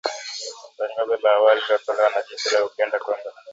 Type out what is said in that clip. tangazo la awali lililotolewa na jeshi la Uganda kwamba